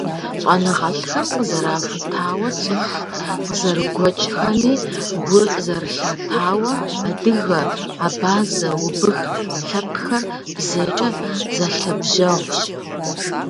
Щӏэныгъэлӏхэм къызэрахутауэ, цӏыху къызэрыгуэкӏхэми гу зэрылъатауэ, адыгэ, абазэ, убых лъэпкъхэр бзэкӏэ зэлъэбжьэгъущ.